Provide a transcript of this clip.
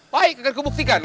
baik akan kubuktikan